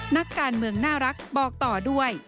นักการเมืองน่ารักบอกต่อด้วย